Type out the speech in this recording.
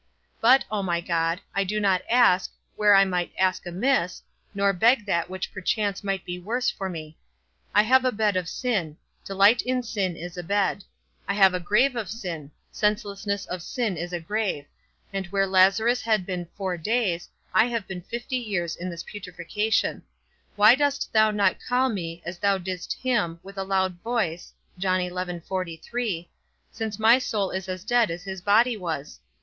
But, O my God, I do not ask, where I might ask amiss, nor beg that which perchance might be worse for me. I have a bed of sin; delight in sin is a bed: I have a grave of sin; senselessness of sin is a grave: and where Lazarus had been four days, I have been fifty years in this putrefaction; why dost thou not call me, as thou didst him, with a loud voice, since my soul is as dead as his body was?